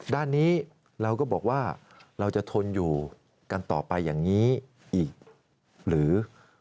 ด้านนี้เราก็บอกว่าเราจะทนอยู่กันต่อไปอย่างนี้อีกหรือ